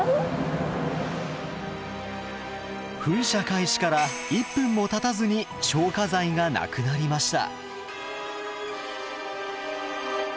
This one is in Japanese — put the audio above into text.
噴射開始から１分もたたずに消火剤がなくなりました。